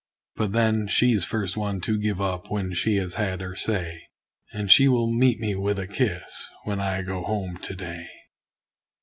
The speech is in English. But then she's first one to give up when she has had her say; And she will meet me with a kiss, when I go home to day.